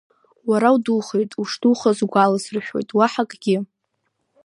Уара удухеит, ушдухаз угәаласыршәоит, уаҳа акгьы…